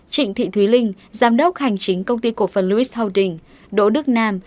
trịnh thị thúy linh giám đốc hành chính công ty cổ phân lewis holdings đỗ đức nam